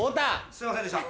すいませんでした。